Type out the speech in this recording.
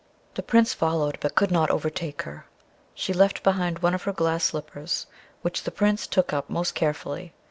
The Prince followed, but could not overtake her. She left behind one of her glass slippers, which the Prince took up most carefully.